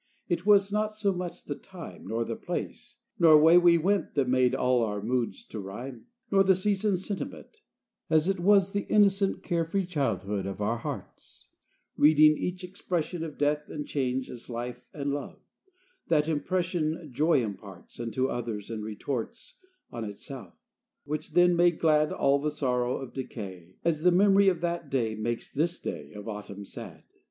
It was not so much the time, Nor the place, nor way we went, That made all our moods to rhyme, Nor the season's sentiment, As it was the innocent Carefree childhood of our hearts, Reading each expression of Death and change as life and love: That impression joy imparts Unto others and retorts On itself, which then made glad All the sorrow of decay, As the memory of that day Makes this day of autumn sad.